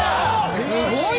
すごいね。